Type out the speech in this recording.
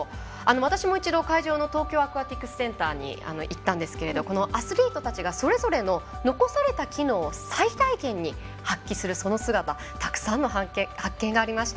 私も一度、会場の東京アクアティクスセンターに行ったんですがアスリートたちがそれぞれの残された機能を最大限に発揮する、その姿たくさんの発見がありました。